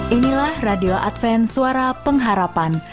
inilah radio adven suara pengharapan